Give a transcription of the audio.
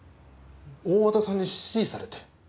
大和田さんに指示されて。